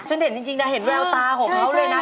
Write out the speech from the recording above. ฉันจริงได้เห็นแววตาของเขาเลยนะ